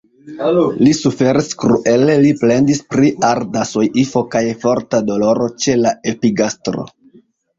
Li suferis kruele; li plendis pri arda soifo kaj forta doloro ĉe la epigastro.